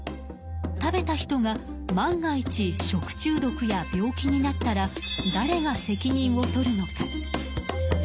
食べた人が万が一食中毒や病気になったら誰が責任をとるのか？